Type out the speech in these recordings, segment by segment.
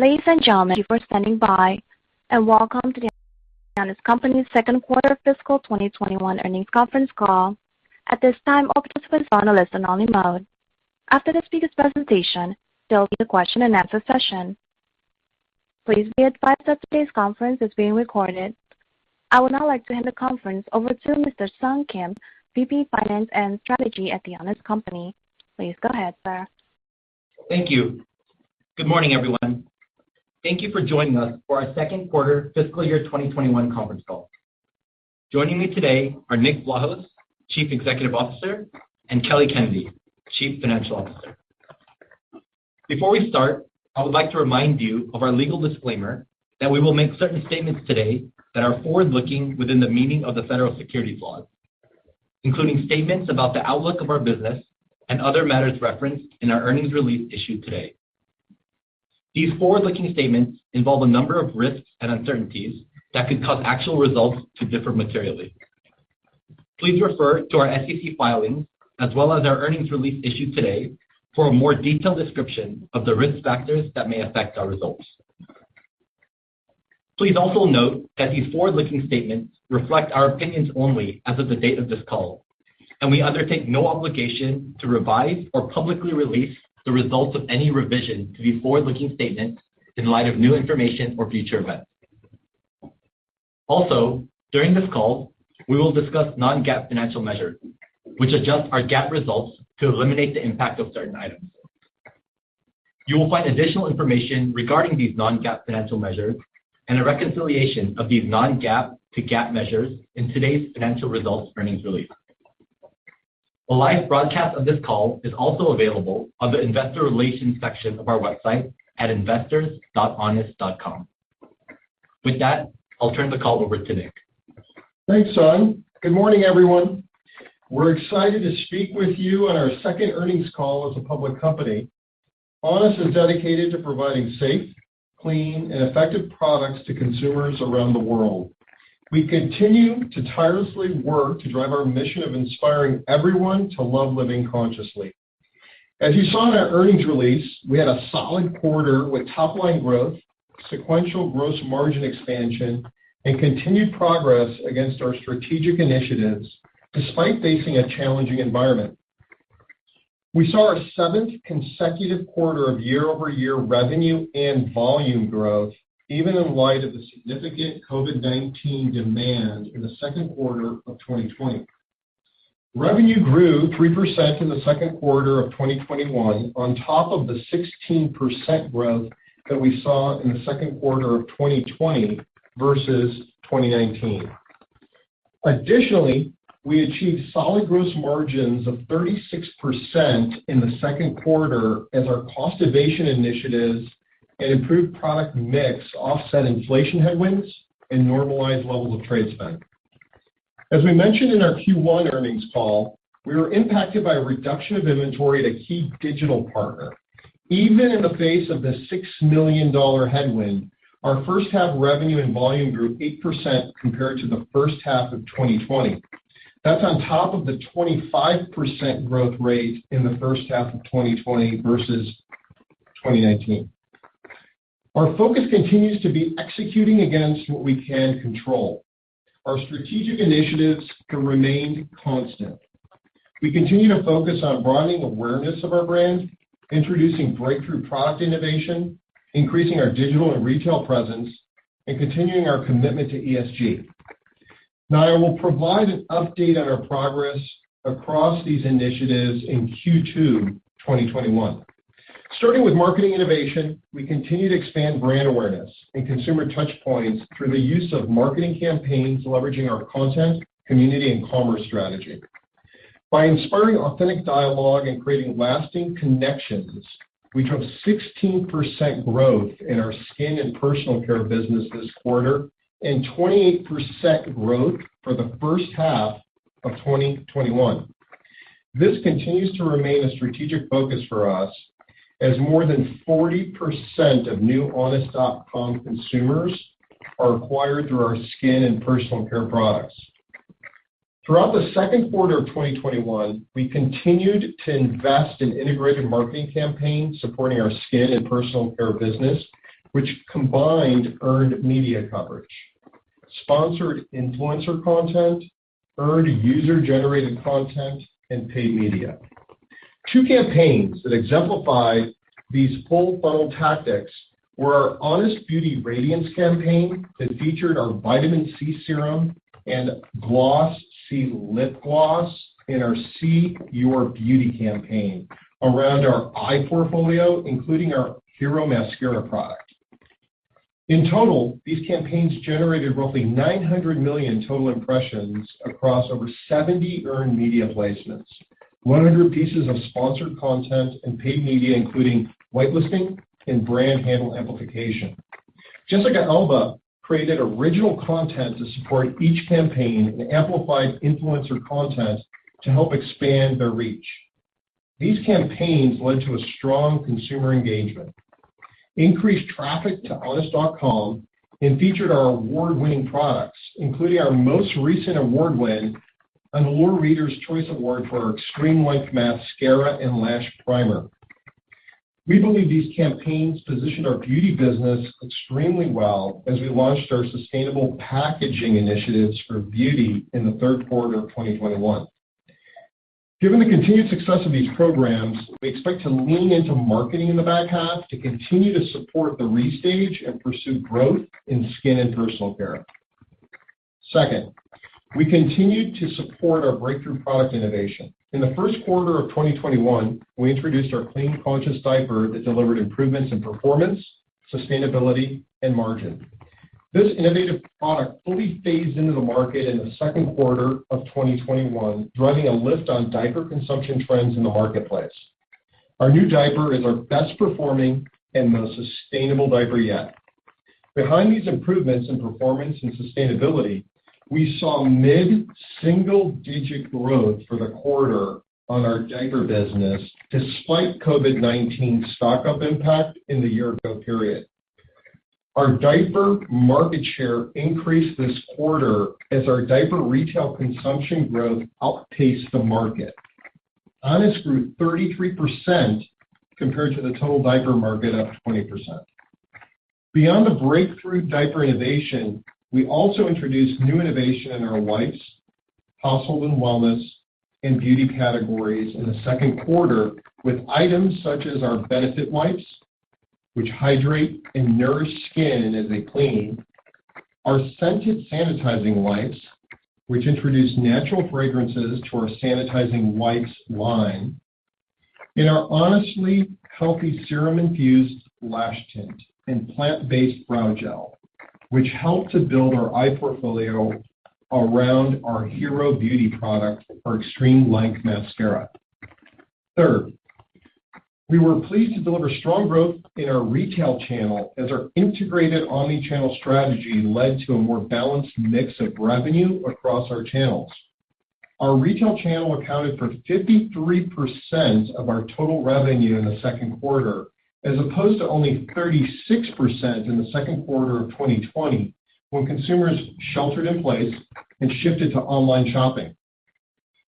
Ladies and gentlemen, thank you for standing by, and welcome to The Honest Company's second quarter fiscal 2021 earnings conference call. At this time, all participants are in a listen-only mode. After the speakers' presentation, there will be a question-and-answer session. Please be advised that today's conference is being recorded. I would now like to hand the conference over to Mr. Sung Kim, VP, Finance and Strategy at The Honest Company. Please go ahead, sir. Thank you. Good morning, everyone. Thank you for joining us for our second quarter fiscal year 2021 conference call. Joining me today are Nick Vlahos, Chief Executive Officer, and Kelly Kennedy, Chief Financial Officer. Before we start, I would like to remind you of our legal disclaimer that we will make certain statements today that are forward-looking within the meaning of the federal securities laws, including statements about the outlook of our business and other matters referenced in our earnings release issued today. These forward-looking statements involve a number of risks and uncertainties that could cause actual results to differ materially. Please refer to our SEC filings as well as our earnings release issued today for a more detailed description of the risk factors that may affect our results. Please also note that these forward-looking statements reflect our opinions only as of the date of this call, and we undertake no obligation to revise or publicly release the results of any revision to these forward-looking statements in light of new information or future events. During this call, we will discuss non-GAAP financial measures, which adjust our GAAP results to eliminate the impact of certain items. You will find additional information regarding these non-GAAP financial measures and a reconciliation of these non-GAAP to GAAP measures in today's financial results earnings release. A live broadcast of this call is also available on the investor relations section of our website at investors.honest.com. With that, I'll turn the call over to Nick. Thanks, Sung. Good morning, everyone. We're excited to speak with you on our second earnings call as a public company. Honest is dedicated to providing safe, clean, and effective products to consumers around the world. We continue to tirelessly work to drive our mission of inspiring everyone to love living consciously. As you saw in our earnings release, we had a solid quarter with top-line growth, sequential gross margin expansion, and continued progress against our strategic initiatives, despite facing a challenging environment. We saw our seventh consecutive quarter of year-over-year revenue and volume growth, even in light of the significant COVID-19 demand in the second quarter of 2020. Revenue grew 3% in the second quarter of 2021 on top of the 16% growth that we saw in the second quarter of 2020 versus 2019. Additionally, we achieved solid gross margins of 36% in the second quarter as our cost-ovation initiatives and improved product mix offset inflation headwinds and normalized levels of trade spend. As we mentioned in our Q1 earnings call, we were impacted by a reduction of inventory at a key digital partner. Even in the face of the $6 million headwind, our first-half revenue and volume grew 8% compared to the first half of 2020. That's on top of the 25% growth rate in the first half of 2020 versus 2019. Our focus continues to be executing against what we can control. Our strategic initiatives have remained constant. We continue to focus on broadening awareness of our brand, introducing breakthrough product innovation, increasing our digital and retail presence, and continuing our commitment to ESG. Now I will provide an update on our progress across these initiatives in Q2 2021. Starting with marketing innovation, we continue to expand brand awareness and consumer touchpoints through the use of marketing campaigns leveraging our content, community, and commerce strategy. By inspiring authentic dialogue and creating lasting connections, we drove 16% growth in our skin and personal care business this quarter and 28% growth for the first half of 2021. This continues to remain a strategic focus for us, as more than 40% of new honest.com consumers are acquired through our skin and personal care products. Throughout the second quarter of 2021, we continued to invest in integrated marketing campaigns supporting our skin and personal care business, which combined earned media coverage, sponsored influencer content, earned user-generated content, and paid media. Two campaigns that exemplify these full funnels tactics were our Honest Beauty Radiance campaign, which featured our Vitamin C Radiance Serum and Gloss-C lip gloss in our See Your Beauty campaign around our eye portfolio, including our hero mascara product. In total, these campaigns generated roughly 900 million total impressions across over 70 earned media placements, 100 pieces of sponsored content and paid media, including whitelisting and brand handle amplification. Jessica Alba created original content to support each campaign and amplified influencer content to help expand their reach. These campaigns led to a strong consumer engagement, increased traffic to honest.com, and featured our award-winning products, including our most recent award win, an Allure Reader's Choice Award for our Extreme Length Mascara and Lash Primer. We believe these campaigns positioned our beauty business extremely well as we launched our sustainable packaging initiatives for beauty in the third quarter of 2021. Given the continued success of these programs, we expect to lean into marketing in the back half to continue to support the restage and pursue growth in skin and personal care. Second, we continued to support our breakthrough product innovation. In the first quarter of 2021, we introduced our Clean Conscious Diaper that delivered improvements in performance, sustainability, and margin. This innovative product fully phased into the market in the second quarter of 2021, driving a lift on diaper consumption trends in the marketplace. Our new diaper is our best-performing and most sustainable diaper yet. Behind these improvements in performance and sustainability, we saw mid-single digit growth for the quarter on our diaper business, despite COVID-19 stock-up impact in the year ago period. Our diaper market share increased this quarter as our diaper retail consumption growth outpaced the market. Honest grew 33% compared to the total diaper market up 20%. Beyond the breakthrough diaper innovation, we also introduced new innovations in our wipes, household and wellness, and beauty categories in the second quarter with items such as our Benefit Wipes, which hydrate and nourish skin as they clean. Our Scented Sanitizing Wipes, which introduce natural fragrances to our sanitizing wipes line. Our Honestly Healthy Serum-Infused Lash Tint and plant-based brow gel, which helped to build our eye portfolio around our hero beauty product, our Extreme Length Mascara. Third, we were pleased to deliver strong growth in our retail channel as our integrated omnichannel strategy led to a more balanced mix of revenue across our channels. Our retail channel accounted for 53% of our total revenue in the second quarter, as opposed to only 36% in the second quarter of 2020, when consumers sheltered in place and shifted to online shopping.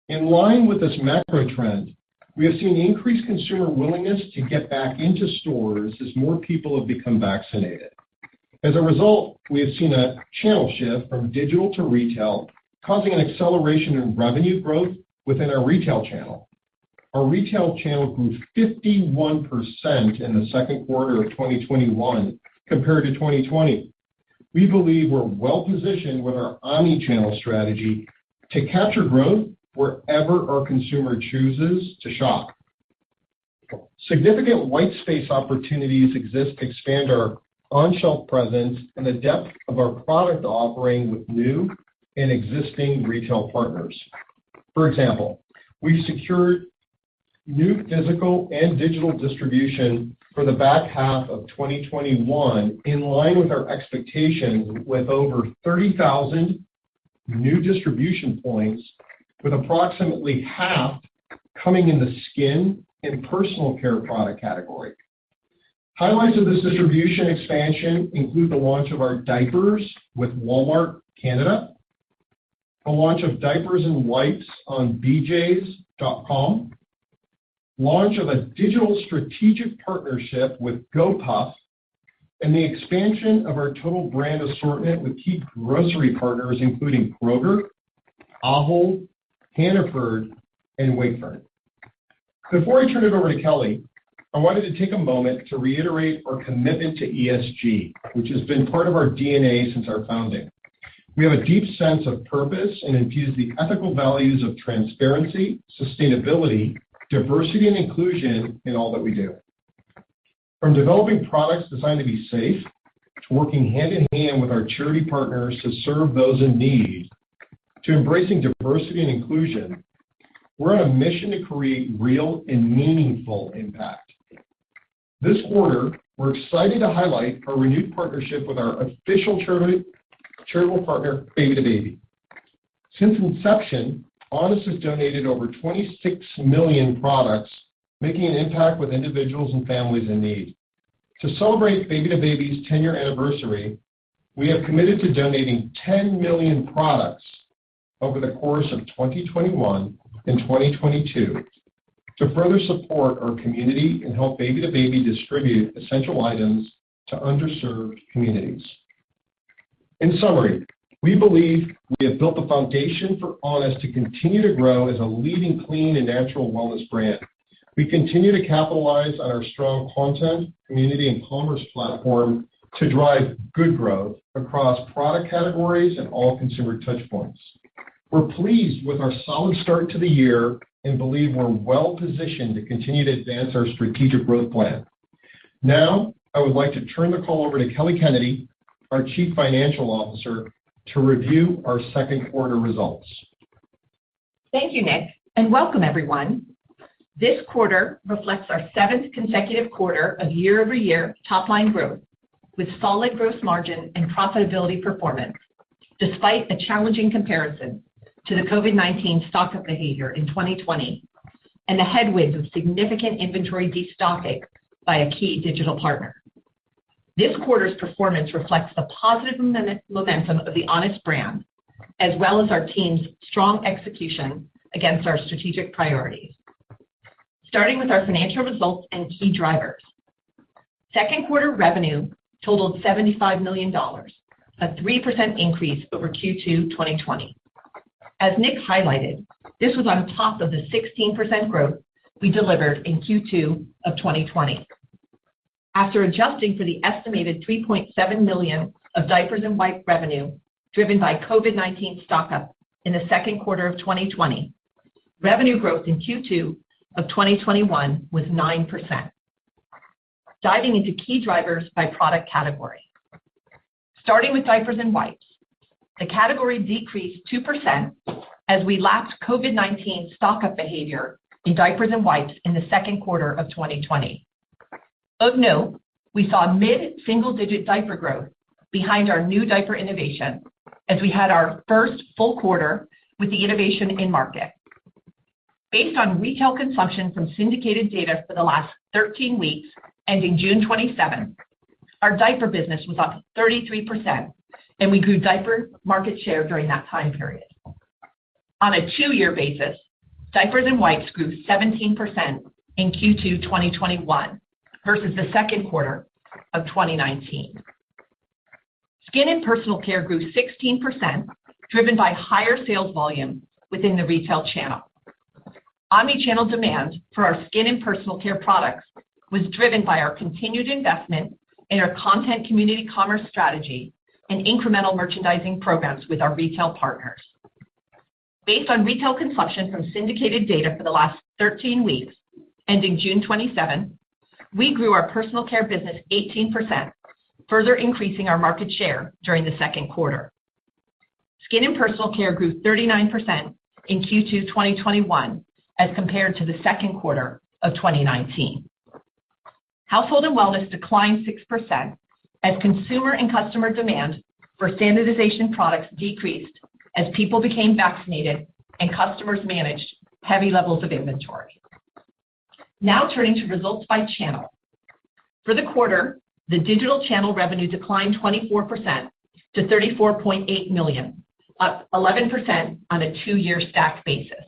In line with this macro trend, we have seen increased consumer willingness to get back into stores as more people have become vaccinated. As a result, we have seen a channel shift from digital to retail, causing an acceleration in revenue growth within our retail channel. Our retail channel grew 51% in the second quarter of 2021 compared to 2020. We believe we're well-positioned with our omnichannel strategy to capture growth wherever our consumer chooses to shop. Significant white space opportunities exist to expand our on-shelf presence and the depth of our product offering with new and existing retail partners. For example, we've secured new physical and digital distribution for the back half of 2021 in line with our expectations, with over 30,000 new distribution points, with approximately half coming in the skin and personal care product category. Highlights of this distribution expansion include the launch of our diapers with Walmart Canada, the launch of diapers and wipes on BJs.com, launch of a digital strategic partnership with Gopuff, and the expansion of our total brand assortment with key grocery partners, including Kroger, Ahold, Hannaford, and Wakefern. Before I turn it over to Kelly, I wanted to take a moment to reiterate our commitment to ESG, which has been part of our DNA since our founding. We have a deep sense of purpose and infuse the ethical values of transparency, sustainability, diversity, and inclusion in all that we do. From developing products designed to be safe, to working hand-in-hand with our charity partners to serve those in need, to embracing diversity and inclusion, we're on a mission to create real and meaningful impact. This quarter, we're excited to highlight our renewed partnership with our official charitable partner, Baby2Baby. Since inception, Honest has donated over 26 million products, making an impact with individuals and families in need. To celebrate Baby2Baby's ten-year anniversary, we have committed to donating 10 million products over the course of 2021 and 2022 to further support our community and help Baby2Baby distribute essential items to underserved communities. In summary, we believe we have built the foundation for Honest to continue to grow as a leading clean and natural wellness brand. We continue to capitalize on our strong content, community, and commerce platform to drive good growth across product categories and all consumer touch points. We're pleased with our solid start to the year and believe we're well-positioned to continue to advance our strategic growth plan. Now, I would like to turn the call over to Kelly Kennedy, our Chief Financial Officer, to review our second quarter results. Thank you, Nick, and welcome everyone. This quarter reflects our seventh consecutive quarter of year-over-year top-line growth with solid gross margin and profitability performance, despite a challenging comparison to the COVID-19 stock-up behavior in 2020 and the headwinds of significant inventory destocking by a key digital partner. This quarter's performance reflects the positive momentum of the Honest brand, as well as our team's strong execution against our strategic priorities. Starting with our financial results and key drivers. Second quarter revenue totaled $75 million, a 3% increase over Q2 2020. As Nick highlighted, this was on top of the 16% growth we delivered in Q2 of 2020. After adjusting for the estimated $3.7 million of diapers and wipes revenue driven by COVID-19 stock-up in the second quarter of 2020, revenue growth in Q2 of 2021 was 9%. Diving into key drivers by product category. Starting with diapers and wipes, the category decreased 2% as we lapped COVID-19 stock-up behavior in diapers and wipes in the second quarter of 2020. Of note, we saw mid-single-digit diaper growth behind our new diaper innovation as we had our first full quarter with the innovation in-market. Based on retail consumption from syndicated data for the last 13 weeks, ending June 27, our diaper business was up 33%, and we grew diaper market share during that time period. On a two-year basis, diapers and wipes grew 17% in Q2 2021 versus the second quarter of 2019. Skin and personal care grew 16%, driven by higher sales volume within the retail channel. Omnichannel demand for our skin and personal care products was driven by our continued investment in our content community commerce strategy and incremental merchandising programs with our retail partners. Based on retail consumption from syndicated data for the last 13 weeks, ending June 27, we grew our personal care business 18%, further increasing our market share during the second quarter. Skin and personal care grew 39% in Q2 2021 as compared to the second quarter of 2019. Household and wellness declined 6% as consumer and customer demand for sanitization products decreased, as people became vaccinated and customers managed heavy levels of inventory. Now turning to results by channel. For the quarter, the digital channel revenue declined 24% to $34.8 million, up 11% on a two-year stacked basis.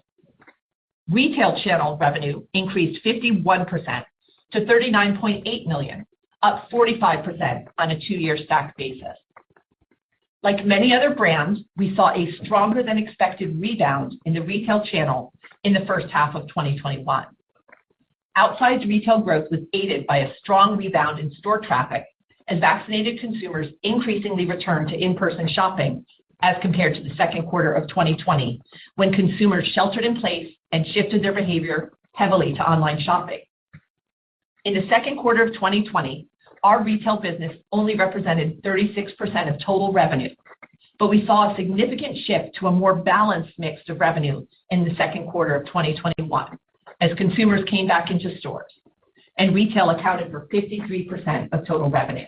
Retail channel revenue increased 51% to $39.8 million, up 45% on a two-year stacked basis. Like many other brands, we saw a stronger-than-expected rebound in the retail channel in the first half of 2021. Outside retail growth was aided by a strong rebound in store traffic as vaccinated consumers increasingly returned to in-person shopping as compared to the second quarter of 2020, when consumers sheltered in place and shifted their behavior heavily to online shopping. In the second quarter of 2020, our retail business only represented 36% of total revenue, but we saw a significant shift to a more balanced mix of revenue in the second quarter of 2021 as consumers came back into stores, and retail accounted for 53% of total revenue.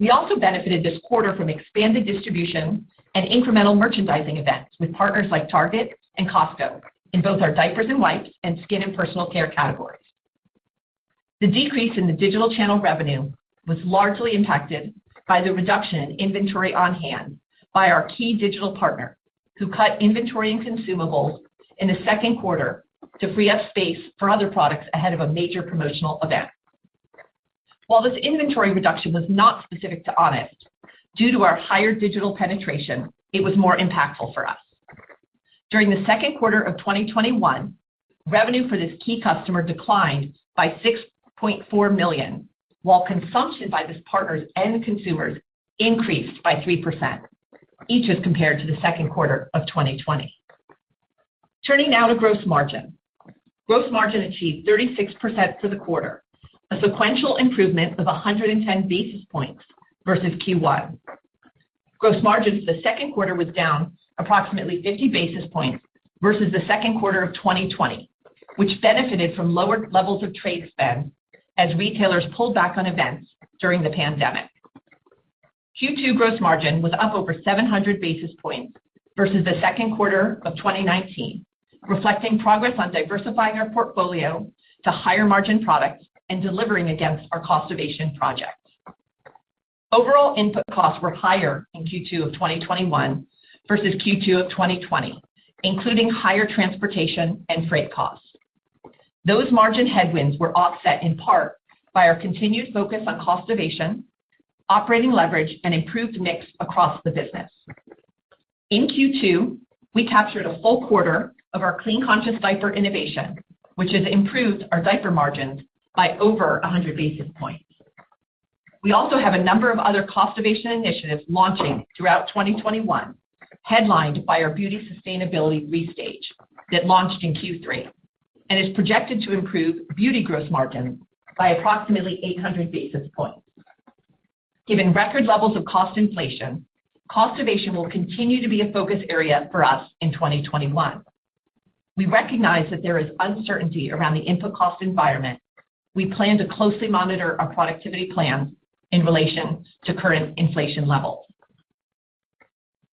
We also benefited this quarter from expanded distribution and incremental merchandising events with partners like Target and Costco in both our diapers and wipes and skin and personal care categories. The decrease in the digital channel revenue was largely impacted by the reduction in inventory on hand by our key digital partner, who cut inventory and consumables in the second quarter to free up space for other products ahead of a major promotional event. While this inventory reduction was not specific to Honest, due to our higher digital penetration, it was more impactful for us. During the second quarter of 2021, revenue for this key customer declined by $6.4 million, while consumption by this partner's end consumers increased by 3%, each as compared to the second quarter of 2020. Turning now to gross margin. Gross margin achieved 36% for the quarter, a sequential improvement of 110 basis points versus Q1. Gross margin for the second quarter was down approximately 50 basis points versus the second quarter of 2020, which benefited from lower levels of trade spend as retailers pulled back on events during the pandemic. Q2 gross margin was up over 700 basis points versus the second quarter of 2019, reflecting progress on diversifying our portfolio to higher margin products and delivering against our cost-ovation projects. Overall input costs were higher in Q2 2021 versus Q2 2020, including higher transportation and freight costs. Those margin headwinds were offset in part by our continued focus on cost-ovation, operating leverage, and improved mix across the business. In Q2, we captured a full quarter of our Clean Conscious Diaper innovation, which has improved our diaper margins by over 100 basis points. We also have a number of other cost-ovation initiatives launching throughout 2021, headlined by our beauty sustainability restage that launched in Q3 and is projected to improve beauty gross margin by approximately 800 basis points. Given record levels of cost inflation, cost-ovation will continue to be a focus area for us in 2021. We recognize that there is uncertainty around the input cost environment. We plan to closely monitor our productivity plans in relation to current inflation levels.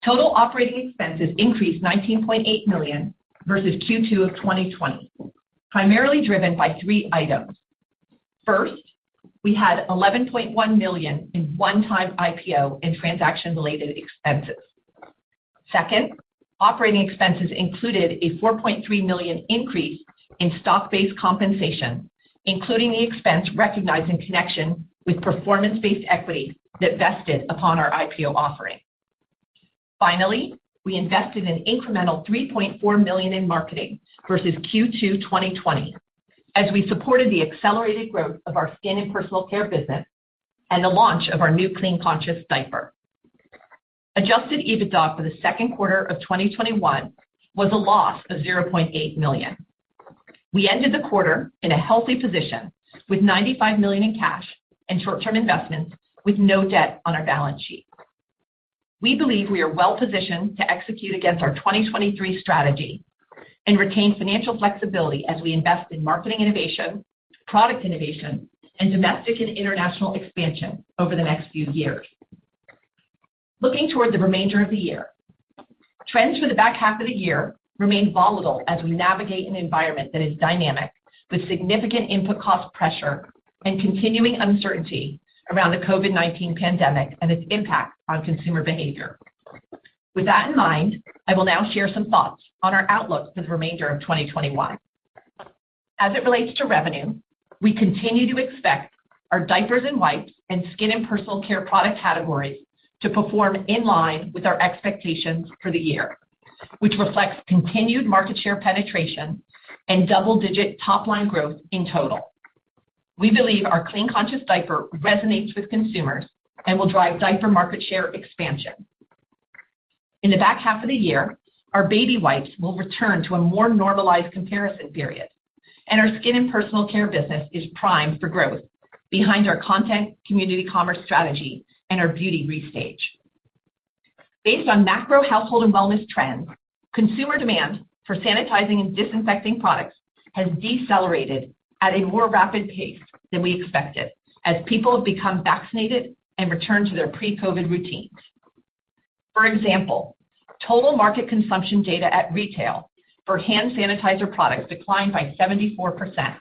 Total operating expenses increased $19.8 million versus Q2 of 2020, primarily driven by three items. First, we had $11.1 million in one-time IPO and transaction-related expenses. Second, operating expenses included a $4.3 million increase in stock-based compensation, including the expense recognized in connection with performance-based equity that vested upon our IPO offering. Finally, we invested an incremental $3.4 million in marketing versus Q2 2020, as we supported the accelerated growth of our skin and personal care business and the launch of our new Clean Conscious Diaper. Adjusted EBITDA for the second quarter of 2021 was a loss of $0.8 million. We ended the quarter in a healthy position with $95 million in cash and short-term investments, with no debt on our balance sheet. We believe we are well-positioned to execute against our 2023 strategy and retain financial flexibility as we invest in marketing innovation, product innovation, and domestic and international expansion over the next few years. Looking toward the remainder of the year, trends for the back half of the year remain volatile as we navigate an environment that is dynamic, with significant input cost pressure and continuing uncertainty around the COVID-19 pandemic and its impact on consumer behavior. With that in mind, I will now share some thoughts on our outlook for the remainder of 2021. As it relates to revenue, we continue to expect our diapers, wipes and skin and personal care product categories to perform in line with our expectations for the year, which reflects continued market share penetration and double-digit top-line growth in total. We believe our Clean Conscious Diaper resonates with consumers and will drive diaper market share expansion. In the back half of the year, our baby wipes will return to a more normalized comparison period, and our skin and personal care business is primed for growth behind our content community commerce strategy and our Beauty Restage. Based on macro household and wellness trends, consumer demand for sanitizing and disinfecting products has decelerated at a more rapid pace than we expected as people have become vaccinated and returned to their pre-COVID routines. For example, total market consumption data at retail for hand sanitizer products declined by 74%,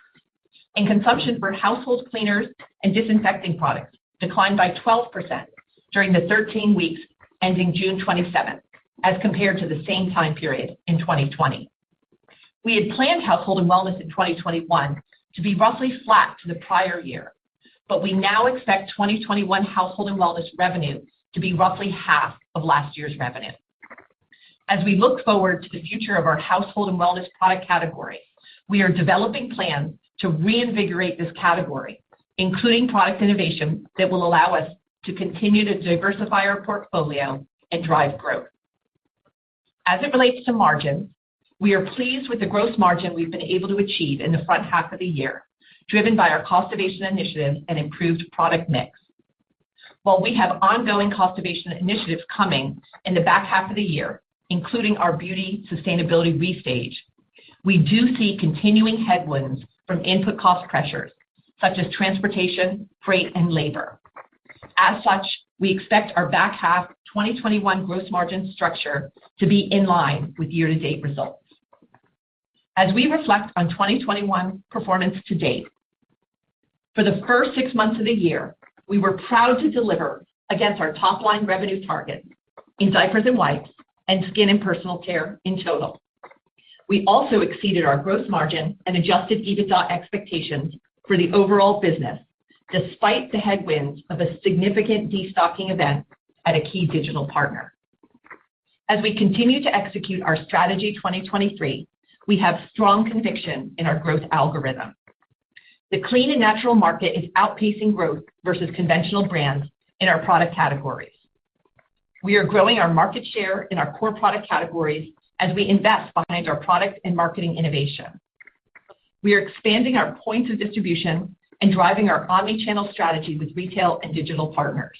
and consumption for household cleaners and disinfecting products declined by 12% during the 13 weeks ending June 27th, as compared to the same time period in 2020. We had planned household and wellness in 2021 to be roughly flat to the prior year, but we now expect 2021 household and wellness revenue to be roughly half of last year's revenue. As we look forward to the future of our household and wellness product category, we are developing plans to reinvigorate this category, including product innovation that will allow us to continue to diversify our portfolio and drive growth. As it relates to margin, we are pleased with the gross margin we've been able to achieve in the front half of the year, driven by our cost-ovation initiatives and improved product mix. While we have ongoing cost-innovation initiatives coming in the back half of the year, including our beauty sustainability restage, we do see continuing headwinds from input cost pressures, such as transportation, freight, and labor. We expect our back half 2021 gross margin structure to be in line with year-to-date results. As we reflect on 2021 performance to date, for the first six months of the year, we were proud to deliver against our top-line revenue target in diapers and wipes and skin and personal care in total. We also exceeded our gross margin and Adjusted EBITDA expectations for the overall business, despite the headwinds of a significant de-stocking event at a key digital partner. As we continue to execute our Transformation Initiative, we have strong conviction in our growth algorithm. The clean and natural market is outpacing growth versus conventional brands in our product categories. We are growing our market share in our core product categories as we invest behind our product and marketing innovation. We are expanding our points of distribution and driving our omnichannel strategy with retail and digital partners.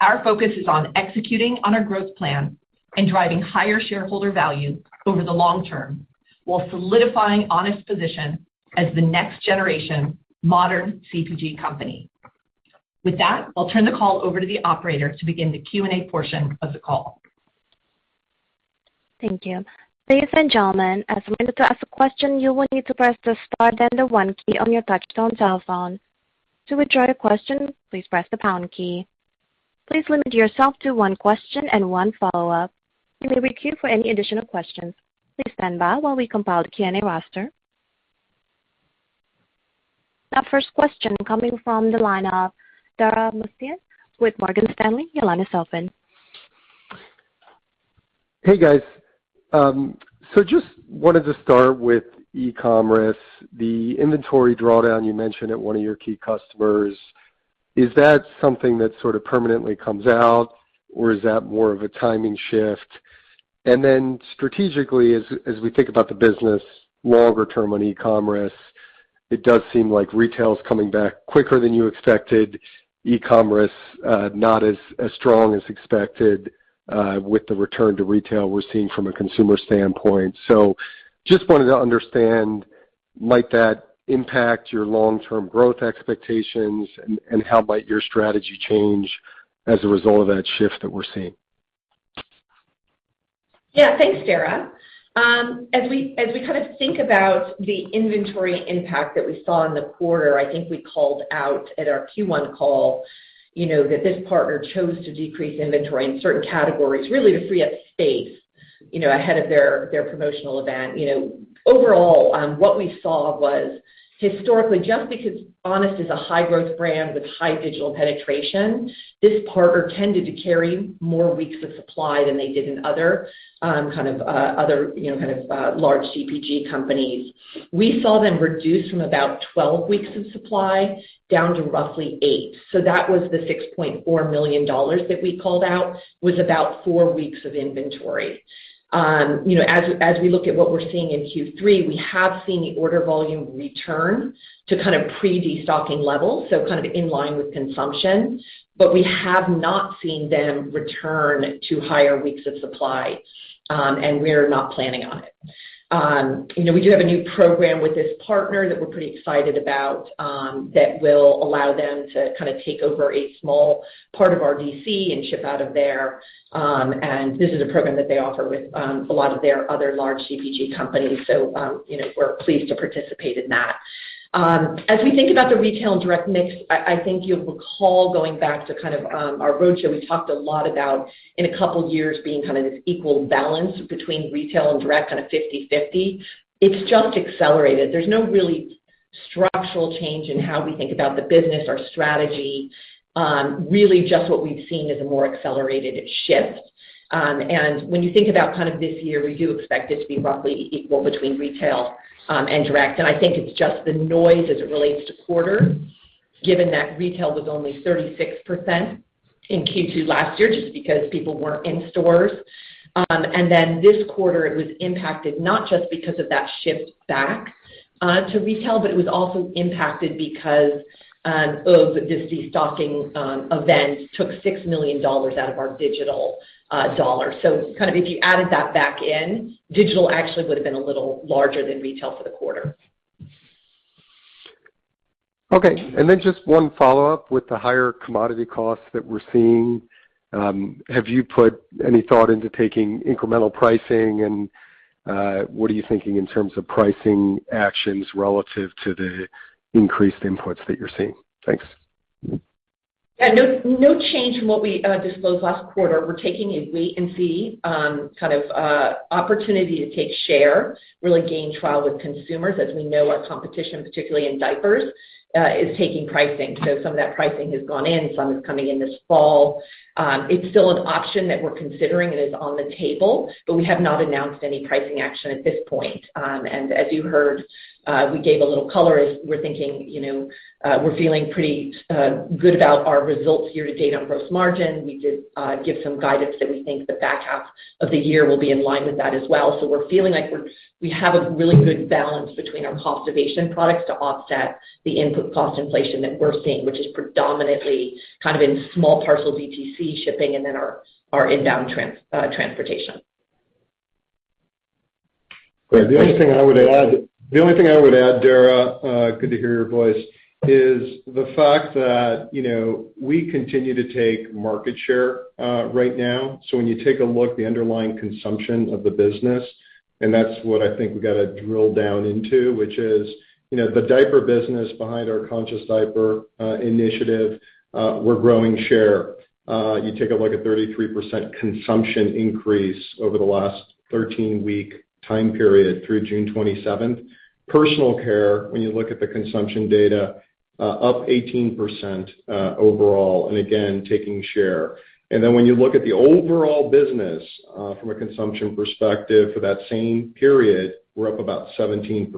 Our focus is on executing on our growth plan and driving higher shareholder value over the long term while solidifying Honest's position as the next-generation modern CPG company. With that, I'll turn the call over to the operator to begin the Q&A portion of the call. Thank You. Our first question coming from the line of Dara Mohsenian with Morgan Stanley. Your line is open. Hey, guys. Just wanted to start with e-commerce. The inventory drawdown you mentioned at one of your key customers, is that something that sort of permanently comes out, or is that more of a timing shift? Strategically, as we think about the business longer term on e-commerce, it does seem like retail is coming back quicker than you expected, e-commerce not as strong as expected with the return to retail we're seeing from a consumer standpoint. Just wanted to understand. Might that impact your long-term growth expectations? How might your strategy change as a result of that shift that we're seeing? Thanks, Dara. We think about the inventory impact that we saw in the quarter, I think we called out at our Q1 call that this partner chose to decrease inventory in certain categories, really to free up space ahead of their promotional event. What we saw was, historically, just because Honest is a high-growth brand with high digital penetration, this partner tended to carry more weeks of supply than they did in other kind of large CPG companies. We saw them reduce from about 12 weeks of supply down to roughly eight. That was the $6.4 million that we called out, was about four weeks of inventory. We look at what we're seeing in Q3, we have seen the order volume return to kind of pre-destocking levels, kind of in line with consumption. We have not seen them return to higher weeks of supply, and we're not planning on it. We do have a new program with this partner that we're pretty excited about, that will allow them to take over a small part of our DC and ship out of there. This is a program that they offer with a lot of their other large CPG companies, so we're pleased to participate in that. As we think about the retail and direct mix, I think you'll recall, going back to our roadshow, we talked a lot about in a couple of years being this equal balance between retail and direct, kind of 50/50. It's just accelerated. There's no really structural change in how we think about the business or strategy. Really, just what we've seen is a more accelerated shift. When you think about this year, we do expect it to be roughly equal between retail and direct. I think it's just the noise as it relates to quarter, given that retail was only 36% in Q2 last year, just because people weren't in stores. Then this quarter, it was impacted not just because of that shift back to retail, but it was also impacted because of this destocking event took $6 million out of our digital dollar. If you added that back in, digital actually would've been a little larger than retail for the quarter. Okay. Just one follow-up. With the higher commodity costs that we're seeing, have you put any thought into taking incremental pricing? What are you thinking in terms of pricing actions relative to the increased inputs that you're seeing? Thanks. Yeah. No change from what we disclosed last quarter. We're taking a wait-and-see kind of opportunity to take share, really gain trial with consumers. As we know, our competition, particularly in diapers, is taking pricing. Some of that pricing has gone in, some is coming in this fall. It's still an option that we're considering and is on the table, but we have not announced any pricing action at this point. As you heard, we gave a little color as we're thinking, we're feeling pretty good about our results here to date on gross margin. We did give some guidance that we think the back half of the year will be in line with that as well. We're feeling like we have a really good balance between our cost-ovation products to offset the input cost inflation that we're seeing, which is predominantly kind of in small parcel DTC shipping, and then our inbound transportation. Great. The only thing I would add, Dara, good to hear your voice, is the fact that we continue to take market share right now. When you take a look, the underlying consumption of the business, and that's what I think we've got to drill down into, which is the diaper business behind our conscious diaper initiative, we're growing share. You take a look at 33% consumption increase over the last 13-week time period through June 27th. Personal care, when you look at the consumption data, up 18% overall, again, taking share. When you look at the overall business from a consumption perspective for that same period, we're up about 17%.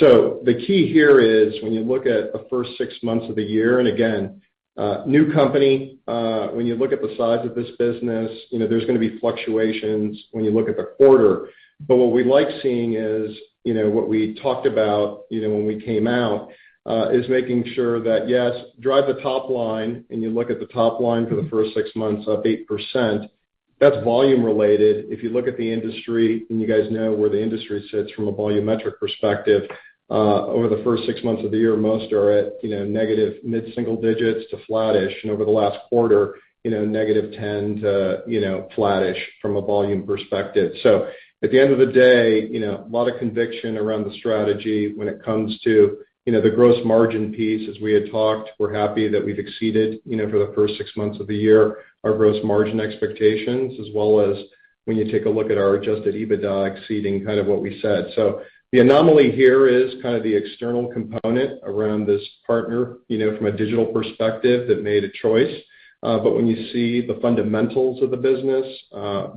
The key here is when you look at the first six months of the year, and again, new company, when you look at the size of this business, there's going to be fluctuations when you look at the quarter. What we like seeing is what we talked about when we came out, is making sure that, yes, drive the top line, and you look at the top line for the first six months up 8%, that's volume related. If you look at the industry, and you guys know where the industry sits from a volumetric perspective, over the first 6 months of the year, most are at negative mid-single digits to flattish. Over the last quarter, negative 10% to flattish from a volume perspective. At the end of the day, a lot of conviction around the strategy when it comes to the gross margin piece, as we had talked, we're happy that we've exceeded, for the first 6 months of the year, our gross margin expectations, as well as when you take a look at our Adjusted EBITDA exceeding what we said. The anomaly here is kind of the external component around this partner, from a digital perspective, that made a choice. When you see the fundamentals of the business,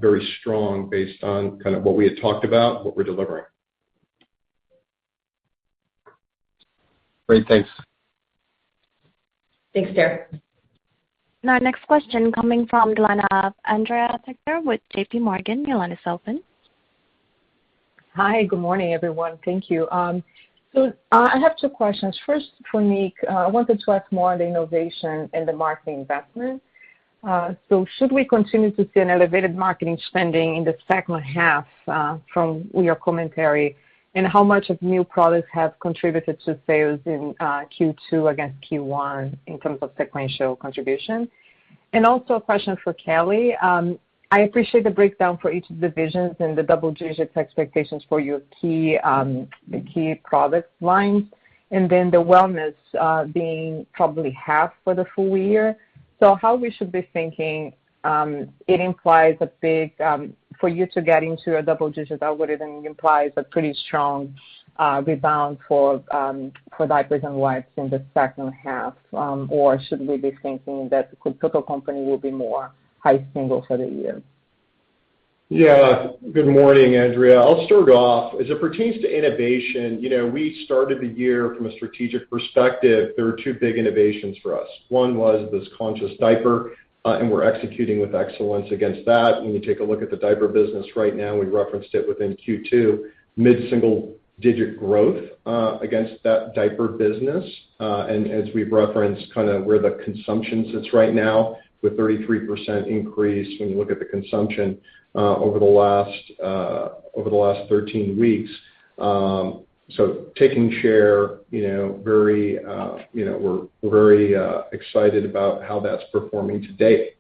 very strong based on what we had talked about and what we're delivering. Great. Thanks. Thanks, Dara. Now next question coming from Andrea Lisher with JPMorgan. Andrea, this is open. Hi. Good morning, everyone. Thank you. I have two questions. First for Nick. I wanted to ask more on the innovation and the marketing investment. Should we continue to see an elevated marketing spending in the second half, from your commentary, and how much of new products have contributed to sales in Q2 against Q1 in terms of sequential contribution? Also, a question for Kelly. I appreciate the breakdown for each of the visions and the double-digit expectations for your key product lines, and then the wellness being probably half for the full year. How we should be thinking, for you to get into a double digit, that would then imply a pretty strong rebound for diapers and wipes in the second half. Should we be thinking that the total company will be more high single for the year? Good morning, Andrea. I'll start off. As it pertains to innovation, we started the year from a strategic perspective, there were two big innovations for us. One was this Conscious Diaper, and we're executing with excellence against that. When you take a look at the diaper business right now, we referenced it within Q2, mid-single digit growth, against that diaper business. As we've referenced kind of where the consumption sits right now with 33% increase when you look at the consumption over the last 13 weeks. Taking share, we're very excited about how that's performing to date.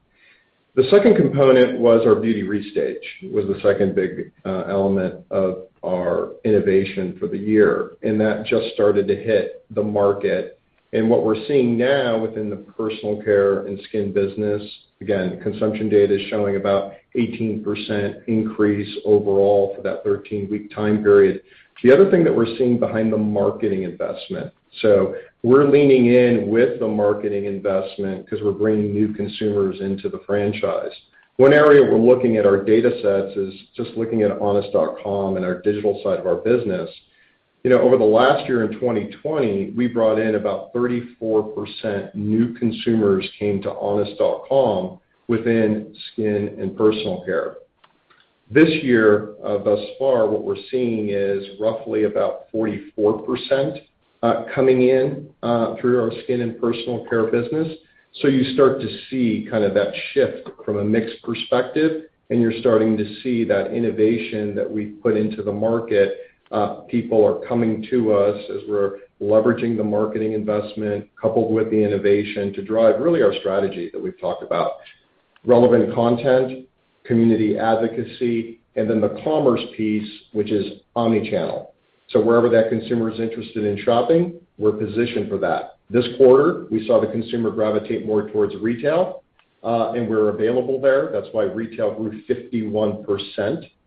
The second component was our Beauty Restage, was the second big element of our innovation for the year, and that just started to hit the market. What we're seeing now within the personal care and skin business, again, consumption data is showing about 18% increase overall for that 13-week time period. The other thing that we're seeing behind the marketing investment. We're leaning in with the marketing investment because we're bringing new consumers into the franchise. One area we're looking at our data sets is just looking at honest.com and our digital side of our business. Over the last year in 2020, we brought in about 34% new consumers came to honest.com within skin and personal care. This year, thus far, what we're seeing is roughly about 44% coming in through our skin and personal care business. You start to see kind of that shift from a mix perspective, and you're starting to see that innovation that we put into the market. People are coming to us as we're leveraging the marketing investment coupled with the innovation to drive really our strategy that we've talked about. Relevant content, community advocacy, and then the commerce piece, which is omnichannel. Wherever that consumer is interested in shopping, we're positioned for that. This quarter, we saw the consumer gravitate more towards retail, and we're available there. That's why retail grew 51%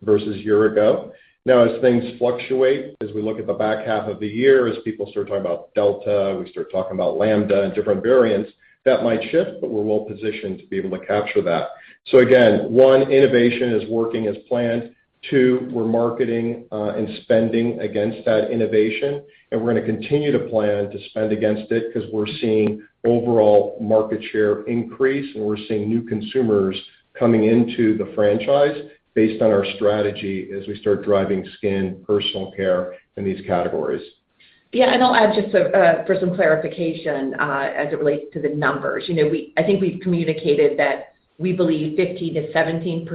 versus year-ago. As things fluctuate, as we look at the back half of the year, as people start talking about Delta, we start talking about Lambda and different variants, that might shift, but we're well positioned to be able to capture that. Again, one, innovation is working as planned. Two, we're marketing and spending against that innovation, and we're going to continue to plan to spend against it because we're seeing overall market share increase, and we're seeing new consumers coming into the franchise based on our strategy as we start driving skin personal care in these categories. Yeah, I'll add just for some clarification, as it relates to the numbers. I think we've communicated that we believe 15%-17%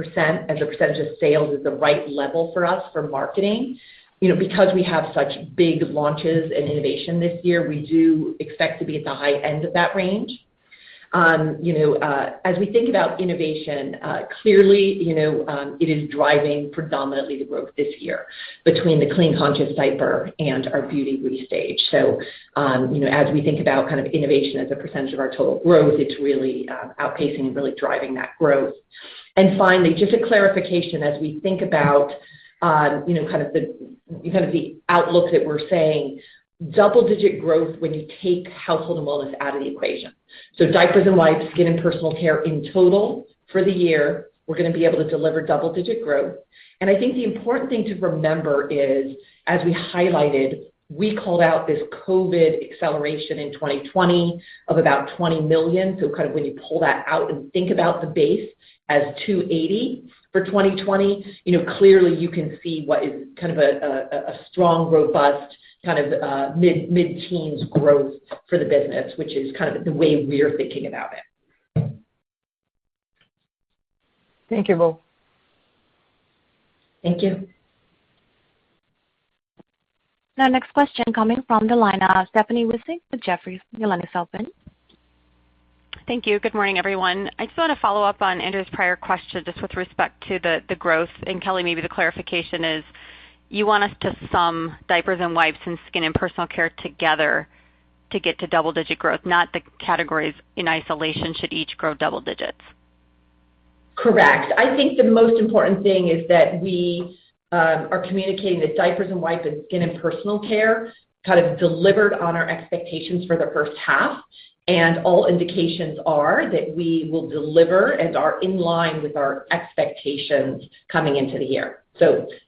as a percentage of sales is the right level for us for marketing. We have such big launches in innovation this year, we do expect to be at the high end of that range. As we think about innovation, clearly, it is driving predominantly the growth this year between the Clean Conscious Diaper and our Honest Beauty Restage. As we think about kind of innovation as a percentage of our total growth, it's really outpacing and really driving that growth. Finally, just a clarification as we think about kind of the outlook that we're saying, double-digit growth when you take household and wellness out of the equation. Diapers and wipes, skin and personal care in total for the year, we're going to be able to deliver double-digit growth. I think the important thing to remember is, as we highlighted, we called out this COVID acceleration in 2020 of about $20 million, so kind of when you pull that out and think about the base as $280 million for 2020, clearly you can see what is kind of a strong, robust kind of mid-teens growth for the business, which is kind of the way we're thinking about it. Thank you both. Thank you. Now next question coming from the line of Stephanie Wissink with Jefferies. Your line is open. Thank you. Good morning, everyone. I just want to follow up on Andrea's prior question, just with respect to the growth, and Kelly, maybe the clarification is, you want us to sum diapers and wipes and skin and personal care together to get to double-digit growth, not the categories in isolation should each grow double digits? Correct. I think the most important thing is that we are communicating that diapers and wipes and skin and personal care kind of delivered on our expectations for the first half, and all indications are that we will deliver and are in line with our expectations coming into the year.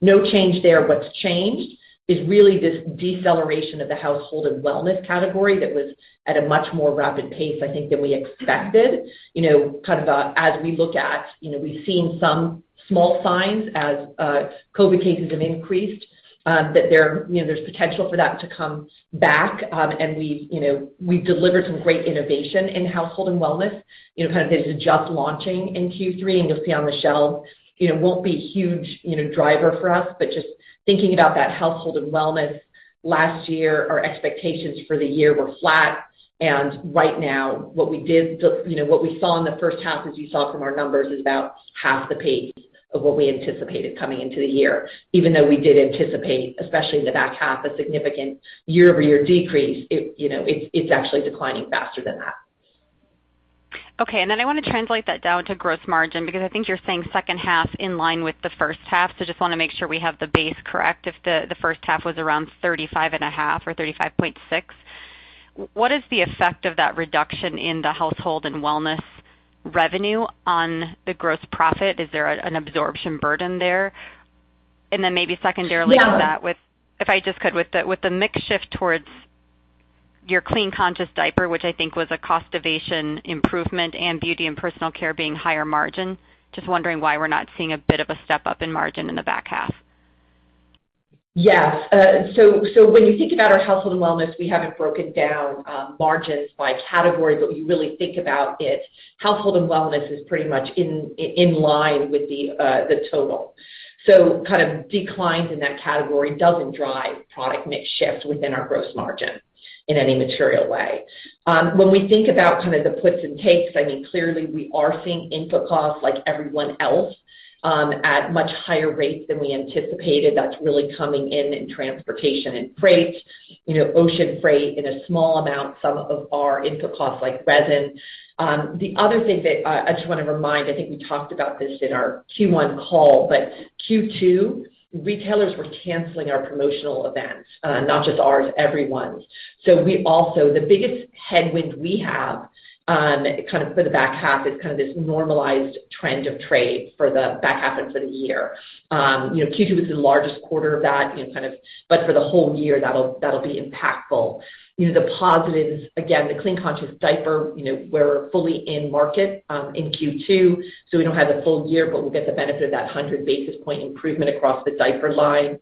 No change there. What's changed is really this deceleration of the household and wellness category that was at a much more rapid pace, I think, than we expected. As we look at, we've seen some small signs as COVID cases have increased, that there's potential for that to come back. We've delivered some great innovation in household and wellness; this is just launching in Q3, and you'll see on the shelf. Won't be a huge driver for us, but just thinking about that household and wellness, last year, our expectations for the year were flat. Right now, what we saw in the first half, as you saw from our numbers, is about half the pace of what we anticipated coming into the year. Even though we did anticipate, especially in the back half, a significant year-over-year decrease. It's actually declining faster than that. Okay, I want to translate that down to gross margin, because I think you're saying second half in line with the first half. Just want to make sure we have the base correct. If the first half was around 35 and a half or 35.6%, what is the effect of that reduction in the household and wellness revenue on the gross profit? Is there an absorption burden there? Then maybe secondarily to that- Yeah If, I just could, with the mix shift towards your Clean Conscious Diaper, which I think was a cost-ovation improvement, and beauty and personal care being higher margin, just wondering why we're not seeing a bit of a step up in margin in the back half? Yes. When you think about our household and wellness, we haven't broken down margins by category, but we really think about it. Household and wellness is pretty much in line with the total. Declines in that category doesn't drive product mix shift within our gross margin in any material way. When we think about the puts and takes, clearly, we are seeing input costs like everyone else, at much higher rates than we anticipated. That's really coming in in transportation and freight, ocean freight, in a small amount, some of our input costs like resin. The other thing that I just want to remind, I think we talked about this in our Q1 call, but Q2, retailers were canceling our promotional events. Not just ours, everyone's. The biggest headwind we have for the back half, is this normalized trend of trade for the back half and for the year. Q2 was the largest quarter of that, but for the whole year, that'll be impactful. The positives, again, the Clean Conscious Diaper, we're fully in market in Q2, so we don't have the full year, but we'll get the benefit of that 100 basis points improvement across the diaper line.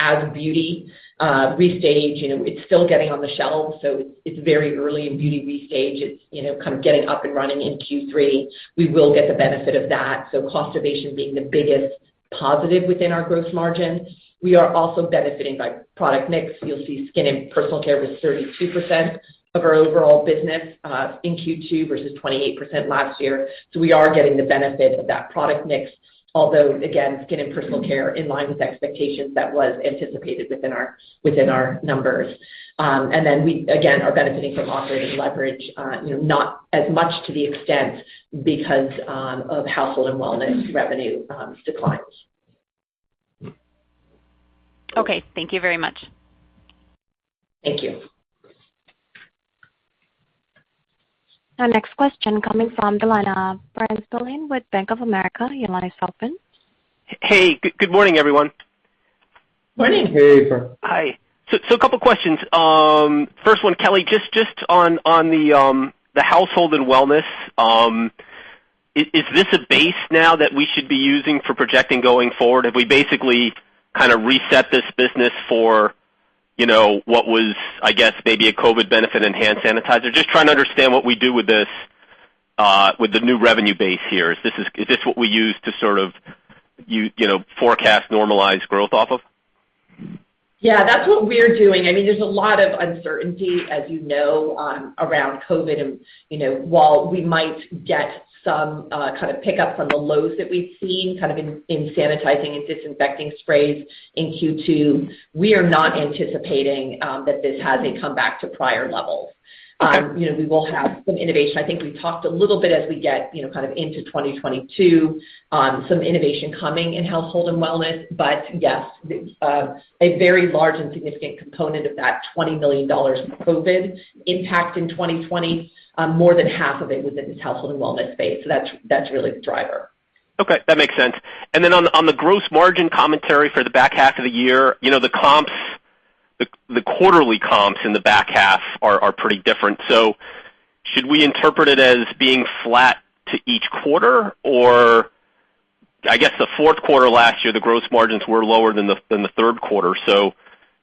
As Beauty Restage, it's still getting on the shelf, so it's very early in Beauty Restage. It's getting up and running in Q3. We will get the benefit of that, so cost-ovation being the biggest positive within our gross margin. We are also benefiting by product mix. You'll see skin and personal care was 32% of our overall business, in Q2 versus 28% last year. We are getting the benefit of that product mix, although, again, skin and personal care in line with expectations that was anticipated within our numbers. We, again, are benefiting from operating leverage, not as much to the extent because of household and wellness revenue declines. Okay. Thank you very much. Thank you. Our next question coming from the line of Bryan Spillane with Bank of America. Your line is open. Hey. Good morning, everyone. Morning. Hey, Bryan. Hi. A couple questions. First one, Kelly, just on the household and wellness, is this a base now that we should be using for projecting going forward? Have we basically reset this business for what was, I guess, maybe a COVID benefit in hand sanitizer? Just trying to understand what we do with the new revenue base here. Is this what we use to sort of forecast normalized growth off of? Yeah, that's what we're doing. There's a lot of uncertainty, as you know, around COVID. While we might get some kind of pick up from the lows that we've seen, kind of in sanitizing and disinfecting sprays in Q2, we are not anticipating that this has a comeback to prior levels. Okay. We will have some innovation. I think we talked a little bit as we get into 2022, some innovation coming in household and wellness. Yes, a very large and significant component of that $20 million COVID-19 impact in 2020, more than half of it was in this household and wellness space. That's really the driver. Okay. That makes sense. On the gross margin commentary for the back half of the year, the quarterly comps in the back half are pretty different. Should we interpret it as being flat to each quarter? I guess the fourth quarter last year, the gross margins were lower than the third quarter.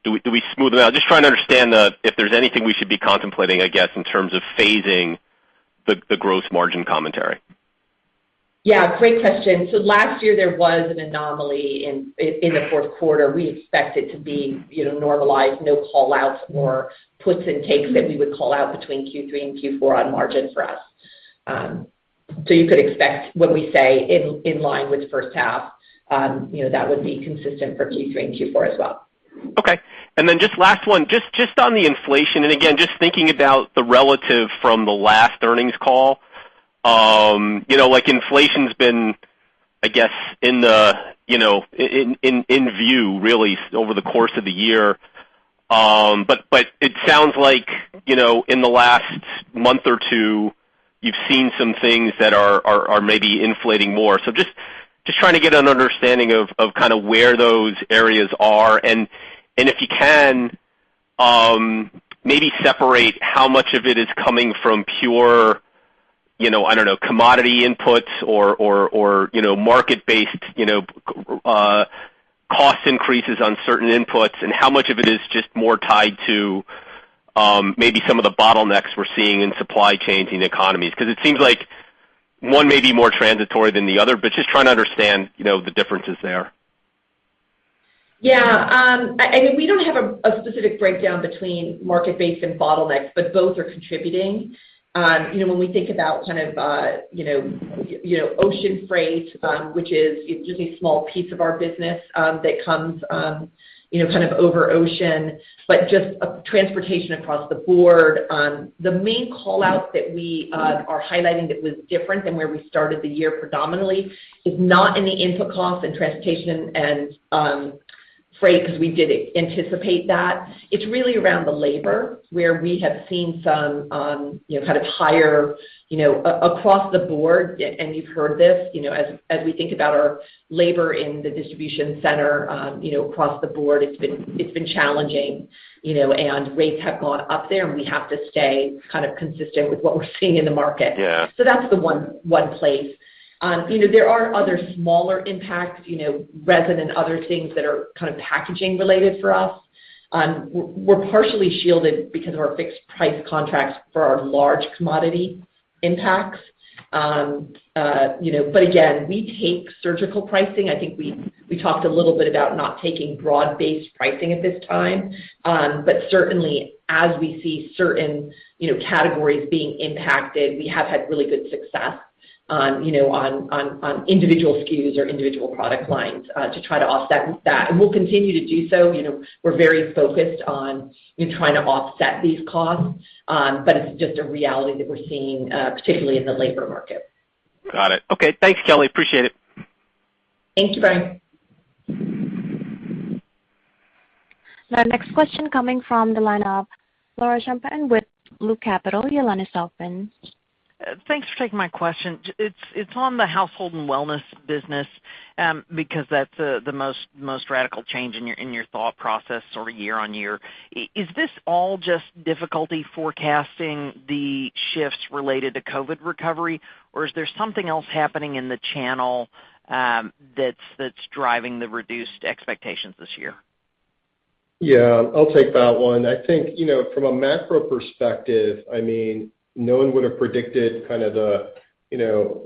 Do we smooth them out? Trying to understand if there's anything we should be contemplating, I guess, in terms of phasing the gross margin commentary. Yeah, great question. Last year there was an anomaly in the fourth quarter. We expect it to be normalized, no call-outs or puts and takes that we would call out between Q3 and Q4 on margin for us. You could expect what we say in line with the first half. That would be consistent for Q3 and Q4 as well. Okay. Just last one. Just on the inflation, and again, just thinking about the relative from the last earnings call. Inflation's been, I guess, in view really over the course of the year. It sounds like in the last month or two, you've seen some things that are maybe inflating more. Just trying to get an understanding of where those areas are. If you can, maybe separate how much of it is coming from pure, I don't know, commodity inputs or market-based cost increases on certain inputs, and how much of it is just more tied to maybe some of the bottlenecks we're seeing in supply chains in economies. It seems like one may be more transitory than the other, but just trying to understand the differences there. Yeah. We don't have a specific breakdown between market-based and bottlenecks, but both are contributing. When we think about ocean freight, which is just a small piece of our business that comes over ocean, but just transportation across the board, the main call-out that we are highlighting that was different than where we started the year predominantly is not in the input costs and transportation and freight, because we did anticipate that. It's really around the labor, where we have seen some kind of higher across the board, and you've heard this, as we think about our labor in the DC, across the board, it's been challenging. Rates have gone up there, and we have to stay consistent with what we're seeing in the market. Yeah. That's the one place. There are other smaller impacts, resin, and other things that are kind of packaging-related for us. We're partially shielded because of our fixed price contracts for our large commodity impacts. Again, we take surgical pricing. I think we talked a little bit about not taking broad-based pricing at this time. Certainly, as we see certain categories being impacted, we have had really good success on individual SKUs or individual product lines to try to offset that. We'll continue to do so. We're very focused on trying to offset these costs, but it's just a reality that we're seeing, particularly in the labor market. Got it. Okay. Thanks, Kelly. Appreciate it. Thank you, Bryan. Our next question comes from the line of Laura Champine with Loop Capital. Your line is open. Thanks for taking my question. It's on the household and wellness business, because that's the most radical change in your thought process or year-on-year. Is this all just difficulty forecasting the shifts related to COVID recovery, or is there something else happening in the channel that's driving the reduced expectations this year? Yeah, I'll take that one. I think from a macro perspective, no one would have predicted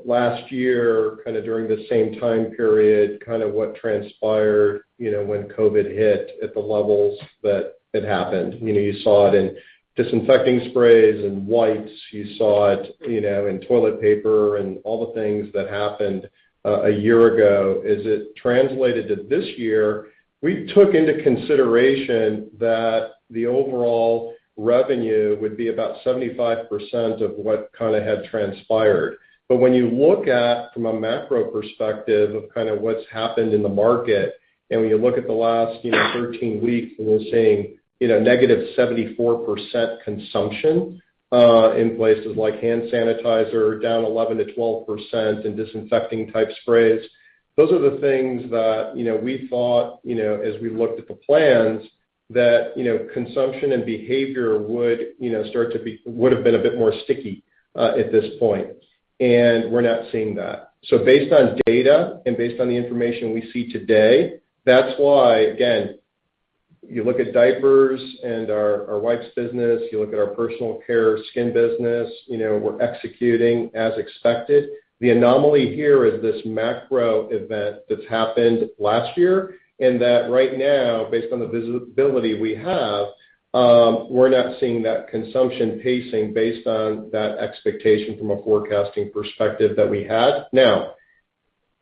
last year, during the same time period, what transpired when COVID-19 hit at the levels that it happened. You saw it in disinfecting sprays and wipes. You saw it in toilet paper and all the things that happened a year ago. As it translated to this year, we took into consideration that the overall revenue would be about 75% of what had transpired. When you look at, from a macro perspective, of what's happened in the market, and when you look at the last 13 weeks, and we're seeing negative 74% consumption in places like hand sanitizer, down 11%-12% in disinfecting type sprays. Those are the things that we thought as we looked at the plans, that consumption and behavior would have been a bit more sticky at this point. We're not seeing that. Based on data and based on the information we see today, that's why, again, you look at diapers and our wipes business, you look at our personal care skin business, we're executing as expected. The anomaly here is this macro event that happened last year. That right now, based on the visibility we have, we're not seeing that consumption pacing based on that expectation from a forecasting perspective that we had. Now,